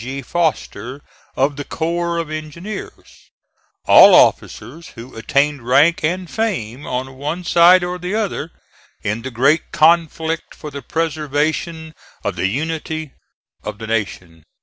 G. Foster, of the corps of engineers, all officers who attained rank and fame, on one side or the other, in the great conflict for the preservation of the unity of the nation.